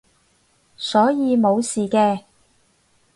所以冇事嘅